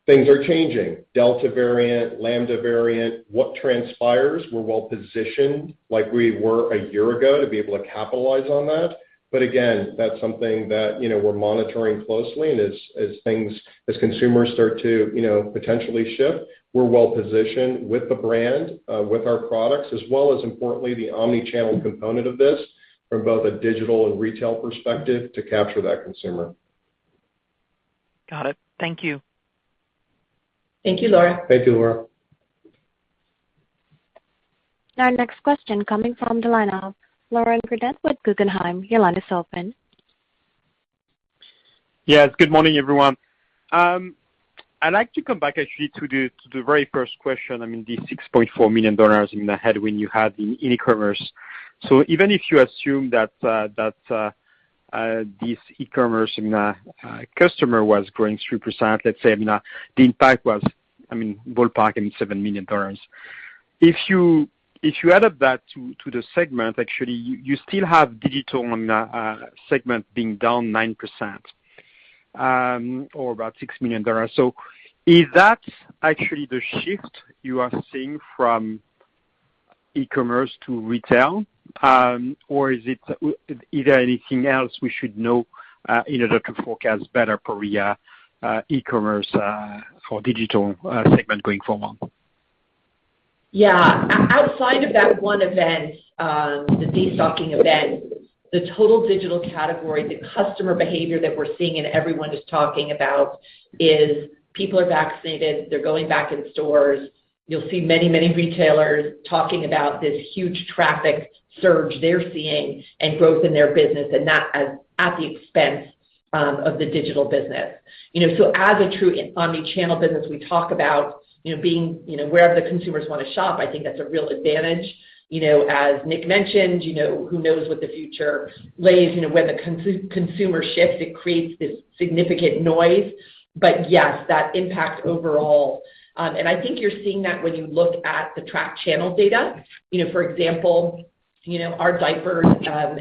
things are changing. Delta variant, Lambda variant, what transpires, we're well-positioned like we were a year ago to be able to capitalize on that. Again, that's something that we're monitoring closely, and as consumers start to potentially shift, we're well-positioned with the brand, with our products, as well as importantly, the omnichannel component of this from both a digital and retail perspective to capture that consumer. Got it. Thank you. Thank you, Laura. Thank you, Laura. Our next question comes from the line of Laurent Grandet with Guggenheim. Your line is open. Good morning, everyone. I'd like to come back, actually to the very first question, the $6.4 million in the head when you had in e-commerce. Even if you assume that this e-commerce customer was growing 3%, let's say the impact was ballpark in $7 million. If you added that to the segment, actually, you still have digital segment being down 9%, or about $6 million. Is that actually the shift you are seeing from e-commerce to retail? Or is there anything else we should know in order to forecast better for e-commerce for digital segment going forward? Outside of that one event, the destocking event, the total digital category, the customer behavior that we're seeing and everyone is talking about is people are vaccinated, they're going back in stores. You'll see many retailers talking about this huge traffic surge they're seeing and growth in their business, not at the expense of the digital business. As a true omnichannel business, we talk about being wherever the consumers want to shop. I think that's a real advantage. As Nick mentioned, who knows what the future lies. When the consumer shifts, it creates this significant noise. Yes, that impacts overall. I think you're seeing that when you look at the tracked channel data. For example, our diapers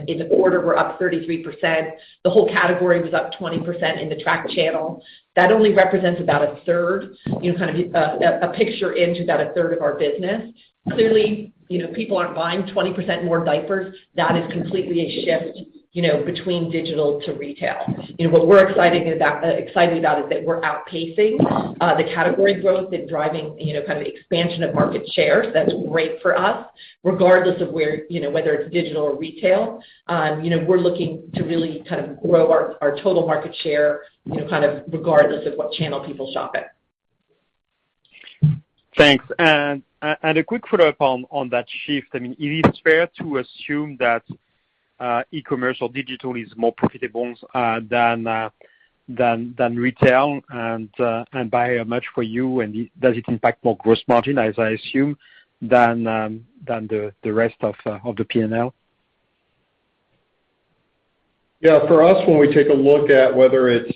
in the quarter were up 33%. The whole category was up 20% in the tracked channel. That only represents about a third, kind of a picture into about a third of our business. Clearly, people aren't buying 20% more diapers. That is completely a shift between digital to retail. What we're excited about is that we're outpacing the category growth and driving kind of the expansion of market share. That's great for us, regardless of whether it's digital or retail. We're looking to really kind of grow our total market share, kind of regardless of what channel people shop at. Thanks. A quick follow-up on that shift. Is it fair to assume that e-commerce or digital is more profitable than retail? By how much for you, and does it impact more gross margin, as I assume, than the rest of the P&L? For us, when we take a look at whether it's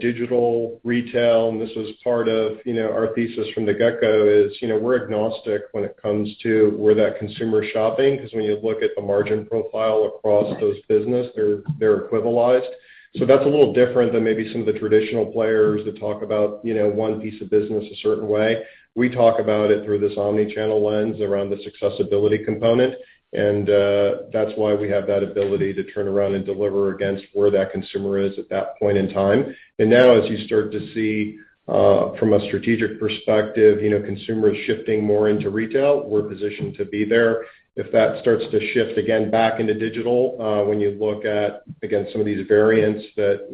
digital, retail, and this was part of our thesis from the get-go, is we're agnostic when it comes to where that consumer is shopping. When you look at the margin profile across those businesses, they're equivalized. That's a little different than maybe some of the traditional players that talk about one piece of business a certain way. We talk about it through this omnichannel lens around the accessibility component, and that's why we have that ability to turn around and deliver against where that consumer is at that point in time. Now, as you start to see from a strategic perspective, consumers shifting more into retail, we're positioned to be there. If that starts to shift again back into digital, when you look at, again, some of these variants that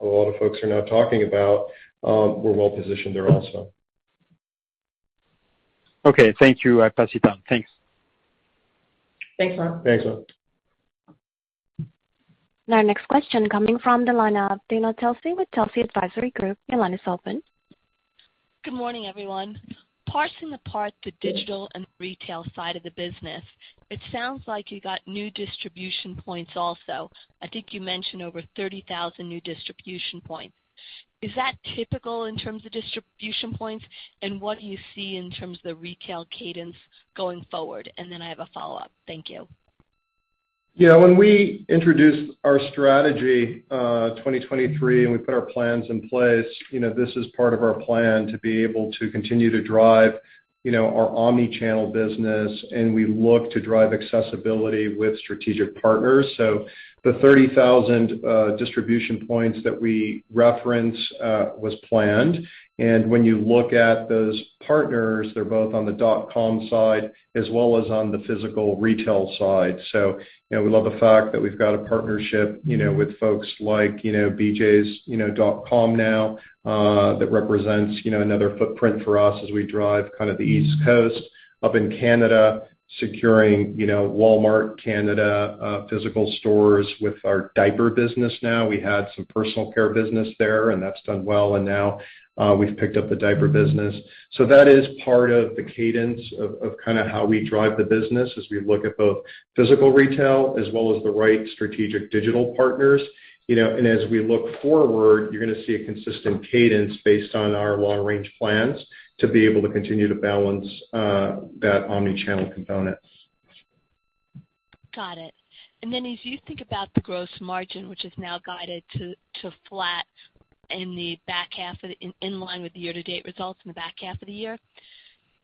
a lot of folks are now talking about, we're well positioned there also. Okay, thank you. I pass it on. Thanks. Thanks, Laurent. Thanks, Laurent. Our next question comes from the line of Dana Telsey with Telsey Advisory Group. Your line is open. Good morning, everyone. Parsing apart the digital and retail side of the business, it sounds like you got new distribution points also. I think you mentioned over 30,000 new distribution points. Is that typical in terms of distribution points? What do you see in terms of the retail cadence going forward? I have a follow-up. Thank you. When we introduced our strategy, 2023, and we put our plans in place, this is part of our plan to be able to continue to drive our omnichannel business. We look to drive accessibility with strategic partners. The 30,000 distribution points that we reference was planned. When you look at those partners, they're both on the .com side as well as on the physical retail side. We love the fact that we've got a partnership with folks like BJs.com now. That represents another footprint for us as we drive kind of the East Coast up in Canada, securing Walmart Canada physical stores with our diaper business now. We had some personal care business there, and that's done well, and now we've picked up the diaper business. That is part of the cadence of kind of how we drive the business as we look at both physical retail as well as the right strategic digital partners. As we look forward, you're going to see a consistent cadence based on our long-range plans to be able to continue to balance that omnichannel component. Got it. As you think about the gross margin, which is now guided to flat in the back half, in line with the year-to-date results in the back half of the year,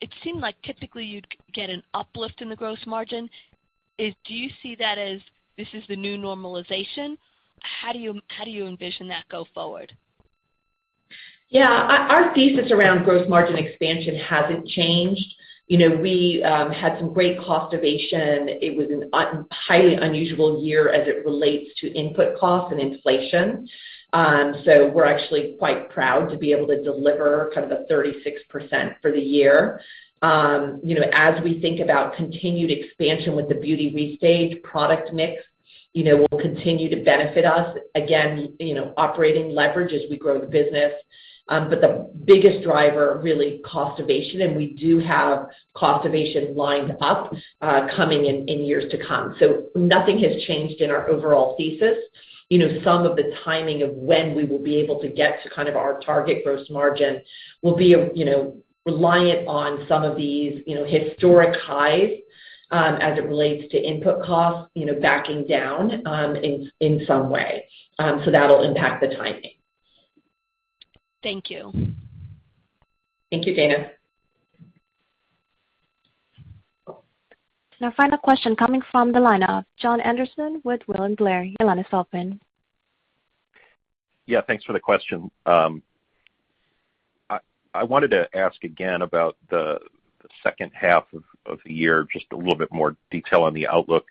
it seemed like typically you'd get an uplift in the gross margin. Do you see that as this is the new normalization? How do you envision that go forward? Our thesis around gross margin expansion hasn't changed. We had some great cost-ovation. It was a highly unusual year as it relates to input costs and inflation. We're actually quite proud to be able to deliver kind of the 36% for the year. As we think about continued expansion with the Beauty Restaged product mix, will continue to benefit us, again, operating leverage as we grow the business. The biggest driver, really, cost-ovation, and we do have cost-ovation lined up coming in years to come. Nothing has changed in our overall thesis. Some of the timing of when we will be able to get to kind of our target gross margin will be reliant on some of these historic highs as it relates to input costs backing down in some way. That'll impact the timing. Thank you. Thank you, Dana. Our final question coming from the line of Jon Andersen with William Blair. Your line is open. Yeah, thanks for the question. I wanted to ask again about the second half of the year, just a little bit more detail on the outlook.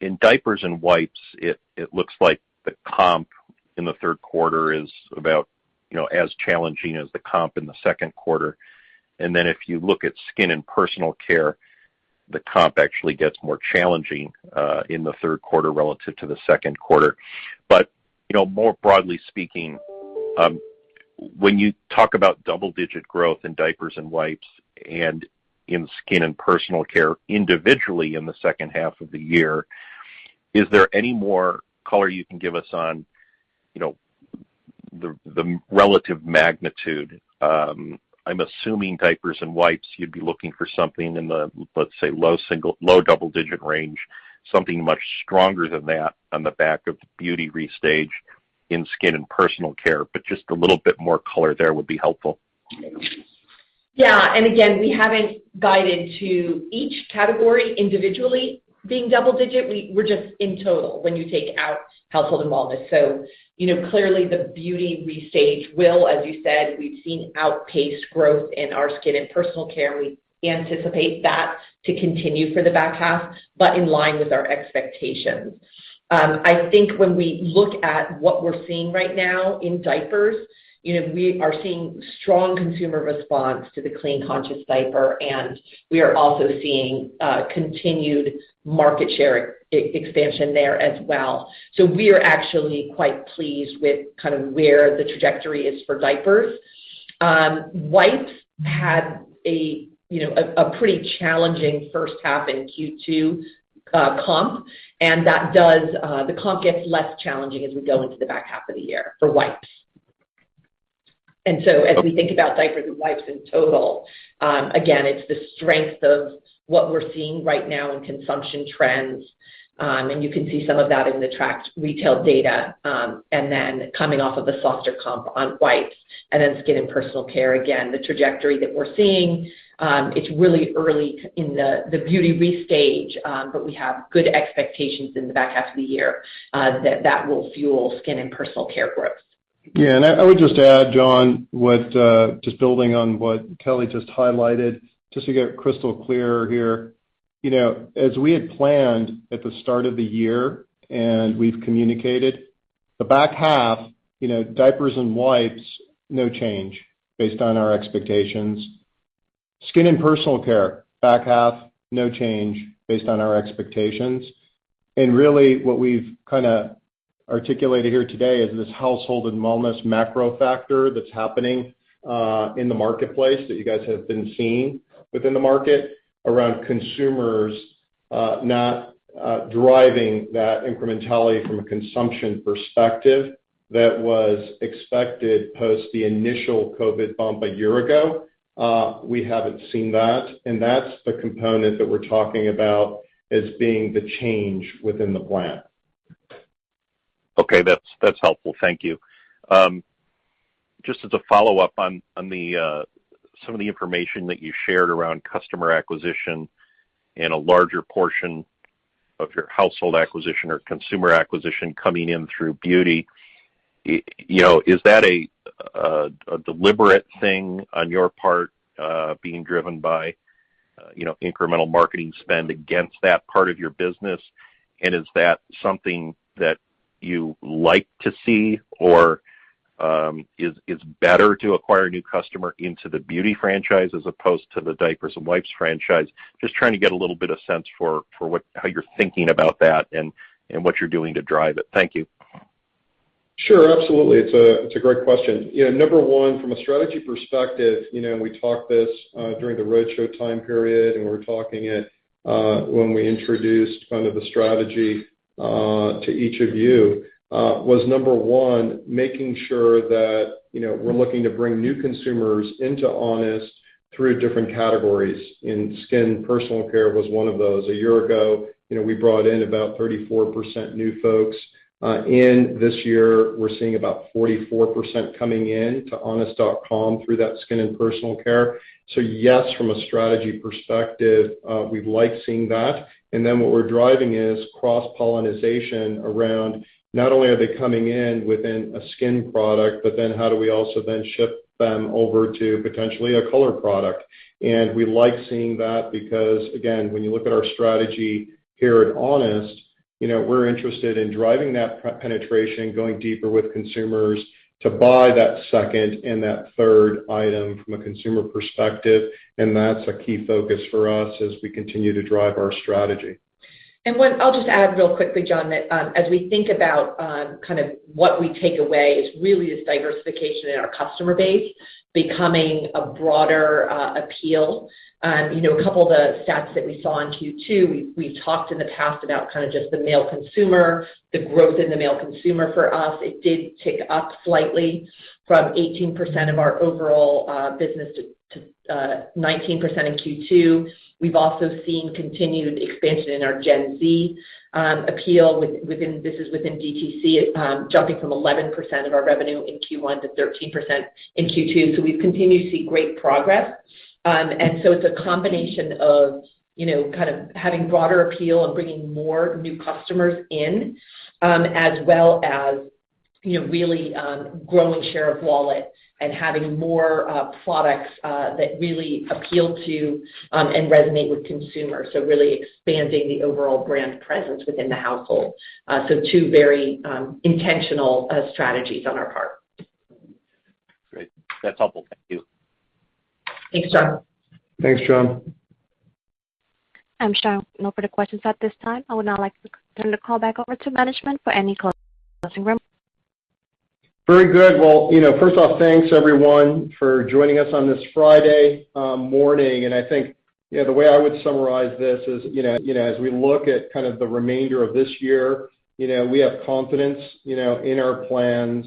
In diapers and wipes, it looks like the comp in the third quarter is about as challenging as the comp in the second quarter. If you look at skin and personal care, the comp actually gets more challenging, in the third quarter relative to the second quarter. More broadly speaking, when you talk about double-digit growth in diapers and wipes and in skin and personal care individually in the second half of the year, is there any more color you can give us on the relative magnitude? I'm assuming diapers and wipes, you'd be looking for something in the, let's say, low double-digit range, something much stronger than that on the back of the Beauty Restage in skin and personal care. Just a little bit more color there would be helpful. Again, we haven't guided to each category individually, being double-digit. We're just in total when you take out household and wellness. Clearly, the Beauty Restage will, as you said, we've seen outpaced growth in our skin and personal care, and we anticipate that to continue for the back half, but in line with our expectations. I think when we look at what we're seeing right now in diapers, we are seeing a strong consumer response to the Clean Conscious Diaper, and we are also seeing continued market share expansion there as well. We are actually quite pleased with where the trajectory is for diapers. Wipes had a pretty challenging first half in Q2 comp, and the comp gets less challenging as we go into the back half of the year for wipes. As we think about diapers and wipes in total, again, it's the strength of what we're seeing right now in consumption trends. You can see some of that in the tracked retail data, and then coming off of the softer comp on wipes. Skin and personal care, again, the trajectory that we're seeing, it's really early in the Beauty Restage, but we have good expectations in the back half of the year, that that will fuel skin and personal care growth. I would just add, Jon, just building on what Kelly just highlighted, just to get crystal clear here. As we had planned at the start of the year, and we've communicated, the back half, diapers and wipes, no change based on our expectations. Skin and personal care back half, no change based on our expectations. What we've kind of articulated here today is this household and wellness macro factor that's happening in the marketplace that you guys have been seeing within the market around consumers, not driving that incrementality from a consumption perspective that was expected post the initial COVID-19 bump a year ago. We haven't seen that. That's the component that we're talking about as being the change within the plan. Okay. That's helpful. Thank you. Just as a follow-up on some of the information that you shared around customer acquisition and a larger portion of your household acquisition or consumer acquisition coming in through Beauty. Is that a deliberate thing on your part, being driven by incremental marketing spend against that part of your business? Is that something that you like to see or is better to acquire a new customer into the Beauty franchise as opposed to the diapers and wipes franchise? Just trying to get a little bit of sense for how you're thinking about that and what you're doing to drive it. Thank you. Sure. Absolutely. It's a great question. Number one, from a strategy perspective, we talked this, during the roadshow time period, and we were talking it, when we introduced kind of the strategy to each of you, was number one, making sure that we're looking to bring new consumers into Honest through different categories, and skin personal care was one of those. A year ago, we brought in about 34% new folks. In this year, we're seeing about 44% coming into honest.com through that skin and personal care. Yes, from a strategy perspective, we like seeing that. What we're driving is cross-pollinization around not only are they coming in within a skin product, but then how do we also then ship them over to potentially a color product. We like seeing that because, again, when you look at our strategy here at Honest, we're interested in driving that penetration, going deeper with consumers to buy that second and that third item from a consumer perspective. That's a key focus for us as we continue to drive our strategy. I'll just add really quickly, Jon, that as we think about what we take away is really diversification in our customer base becoming a broader appeal. A couple of the stats that we saw in Q2, we talked in the past about kind of just the male consumer, the growth in the male consumer for us. It did tick up slightly from 18% of our overall business to 19% in Q2. We've also seen continued expansion in our Gen Z appeal within DTC, jumping from 11% of our revenue in Q1 to 13% in Q2. We've continued to see great progress. It's a combination of kind of having a broader appeal and bringing more new customers in, as well as really growing share of wallet and having more products that really appeal to and resonate with consumers. Really expanding the overall brand presence within the household. Two very intentional strategies on our part. Great. That's helpful. Thank you. Thanks, Jon. Thanks, Jon. I'm showing no further questions at this time. I would now like to turn the call back over to management for any closing remarks. Very good. Well, first off, thanks to everyone for joining us on this Friday morning. I think the way I would summarize this is, as we look at kind of the remainder of this year, we have confidence in our plans.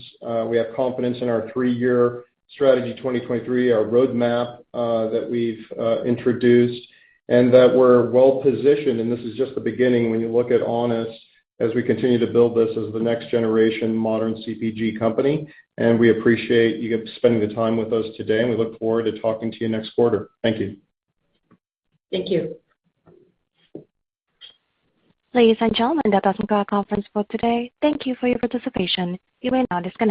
We have confidence in our three-year Transformation Initiative, our roadmap that we've introduced, and that we're well-positioned, and this is just the beginning when you look at Honest as we continue to build this as the next generation modern CPG company. We appreciate you spending the time with us today, and we look forward to talking to you next quarter. Thank you. Thank you. Ladies and gentlemen, that does conclude our conference call today. Thank you for your participation. You may now disconnect.